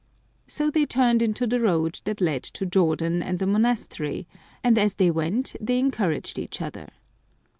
So they tiirned into the road that led to Jordan and the monastery, and as they went they encour aged each other.